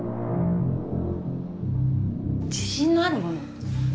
自信のあるもの？